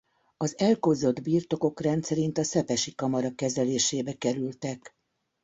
Az elkobzott birtokok rendszerint a Szepesi Kamara kezelésébe kerültek.